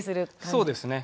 そうですね。